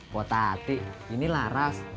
buat tati ini laras